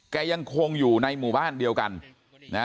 ยังคงอยู่ในหมู่บ้านเดียวกันนะฮะ